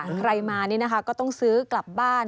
ใครมานี่นะคะก็ต้องซื้อกลับบ้าน